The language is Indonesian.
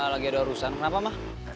lagi ada urusan kenapa mah